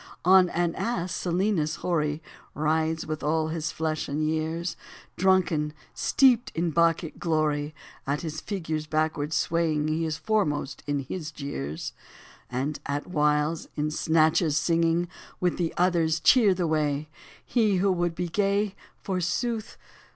On an ass Silenus hoary Rides, with all his flesh and years, Drunken, steeped in Bacchic glory. At his figure's backward swaying He is foremost in his jeers ; And at whiles, in snatches singing With the others, cheers the way : He who would be gay, forsooth.